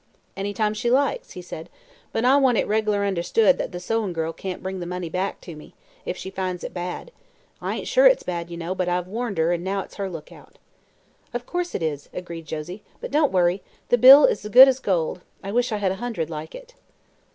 "Any time she likes," he said. "But I want it reg'lar understood that the sewin' girl can't bring the money back to me, if she finds it bad. I ain't sure it's bad, ye know, but I've warned her, an' now it's her look out." "Of course it is," agreed Josie. "But don't worry. The bill is good as gold. I wish I had a hundred like it."